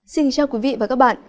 xin chào quý vị và các bạn